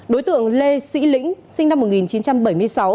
đối tượng lê sĩ lĩnh sinh năm một nghìn chín trăm bảy mươi sáu